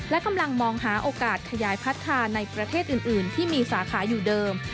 และกำลังมองหาโอกาสขยายพัฒนาในประเทศอื่นที่มีสาขาอยู่เดิม